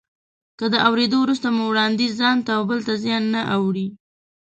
که د اورېدو وروسته مو وړانديز ځانته او بل ته زیان نه اړوي.